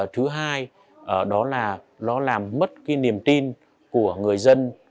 thứ hai đó là nó làm mất cái niềm tin của người dân